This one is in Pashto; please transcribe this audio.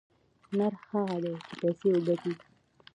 نر هغه دى چې پيسې وگټي.